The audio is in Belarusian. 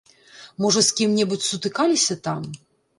Можа з кім-небудзь сутыкаліся там?